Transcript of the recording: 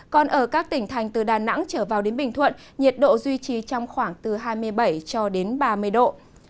còn ở các tỉnh thành từ đà nẵng trở vào đến bình thuận nhiệt độ duy trì trong khoảng từ hai mươi bảy cho đến ba mươi độ